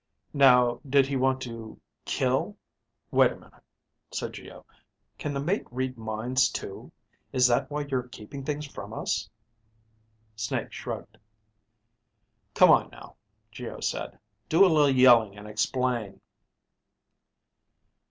Now, did he want to kill ... wait a minute," said Geo. "Can the mate read minds, too? Is that why you're keeping things from us?" Snake shrugged. "Come on now," Geo said. "Do a little yelling and explain."